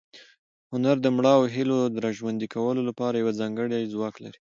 هنر د مړاوو هیلو د راژوندي کولو لپاره یو ځانګړی ځواک لري.